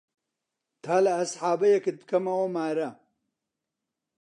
تا لە ئەسحابەیەکت پکەمەوە مارە